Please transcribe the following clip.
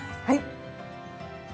はい。